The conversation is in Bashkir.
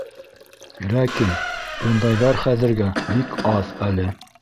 Ләкин ундайҙар хәҙергә бик аҙ әле.